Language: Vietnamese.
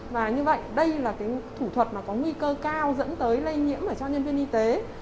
và như vậy đây là thủ thuật có nguy cơ cao dẫn tới lây nhiễm cho nhân viên y tế